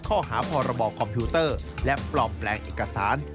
ข้อหาพรบคอมพิวเตอร์และปลอมแปลงเอกสาร